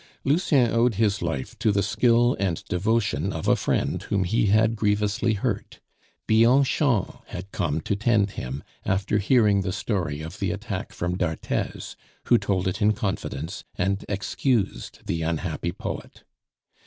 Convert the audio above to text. Lucien owed his life to the skill and devotion of a friend whom he had grievously hurt. Bianchon had come to tend him after hearing the story of the attack from d'Arthez, who told it in confidence, and excused the unhappy poet.